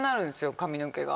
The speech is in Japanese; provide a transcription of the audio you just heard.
髪の毛が。